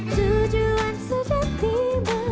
tentang sesuatu pengorbanan